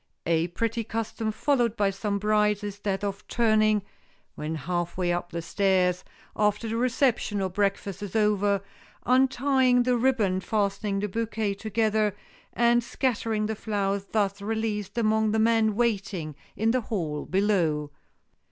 A pretty custom followed by some brides is that of turning, when half way up the stairs, after the reception or breakfast is over, untying the ribbon fastening the bouquet together, and scattering the flowers thus released among the men waiting in the hall below.